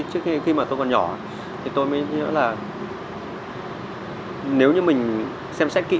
trước khi khi mà tôi còn nhỏ thì tôi mới nhớ là nếu như mình xem xét kỹ